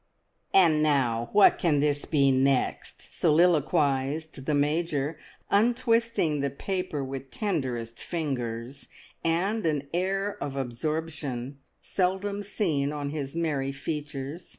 "And now what can this be next?" soliloquised the Major, untwisting the paper with tenderest fingers and an air of absorption seldom seen on his merry features.